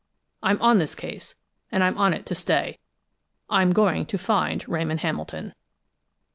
I'm on this case, and I'm on it to stay! I'm going to find Ramon Hamilton!"